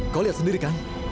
kau lihat sendiri kak